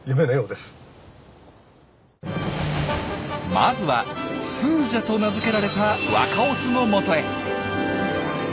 まずはスージャと名付けられた若オスのもとへ。